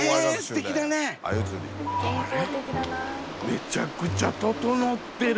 めちゃくちゃ整ってる。